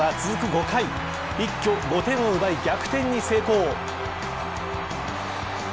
５回一挙５点を奪い、逆転に成功。